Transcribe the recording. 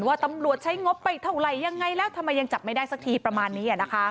ว่าตำรวจใช้งบไปเท่าไหร่ยังไงแล้วทำไมยังจับไม่ได้สักทีประมาณนี้